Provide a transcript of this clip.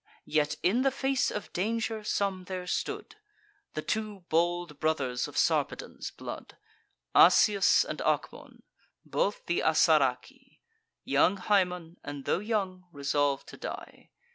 Yet in the face of danger some there stood: The two bold brothers of Sarpedon's blood, Asius and Acmon; both th' Assaraci; Young Haemon, and tho' young, resolv'd to die.